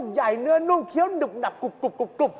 ใหญ่เนื้อนุ่มเคี้ยวดึบกรุบ